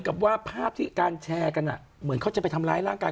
กับว่าภาพที่การแชร์กันเหมือนเขาจะไปทำร้ายร่างกาย